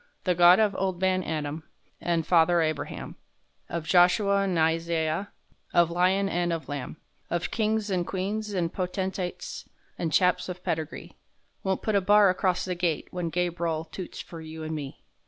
The Gawd of Ol' Man Adam An' Father Abraham, Of Joshua an' Isaiah, Of lion an' of lamb, Of kings, an' queens, an' potentates, An' chaps of pedigree, Wont put a bar acrost the Gate When Gabr'el toots fer you an' me.